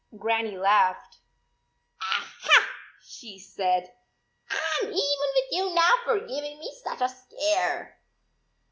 Grannie laughed. "Aha," she said, "I m even with you now for giving me such a scare."